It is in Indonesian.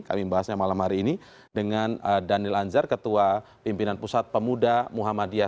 kami membahasnya malam hari ini dengan daniel anzar ketua pimpinan pusat pemuda muhammadiyah